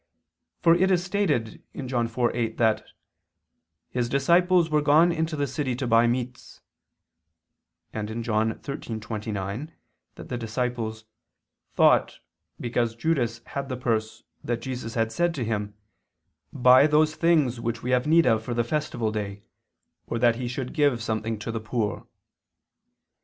For it is stated (John 4:8) that "His disciples were gone into the city to buy meats," and (John 13:29) that the disciples "thought, because Judas had the purse, that Jesus had said to him: But those things which we have need of for the festival day, or that he should give something to the poor."